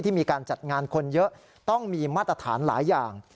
มีการจัดงานคนเยอะต้องมีมาตรฐานหลายอย่าง